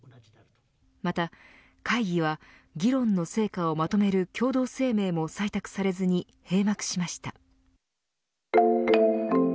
また会議は議論の成果をまとめる共同声明も採択されずに閉幕しました。